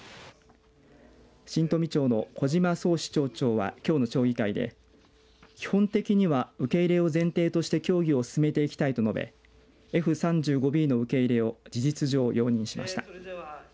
新富町の小嶋崇嗣町長はきょうの町議会で、基本的には受け入れを前提として協議を進めていきたいと述べＦ３５Ｂの受け入れを事実上、容認しました。